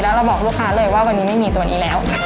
แล้วเราบอกลูกค้าเลยว่าวันนี้ไม่มีตัวนี้แล้ว